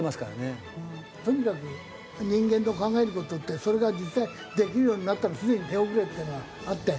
とにかく人間の考える事ってそれが実際できるようになったらすでに手遅れっていうのはあって。